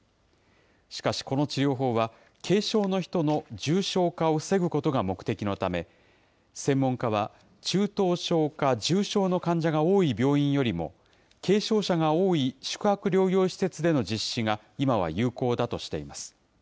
しかしこの治療法は、軽症の人の重症化を防ぐことが目的のため、専門家は中等症か重症の患者が多い病院よりも、軽症者が多い宿泊療養施設での実施が今は有効だとしています。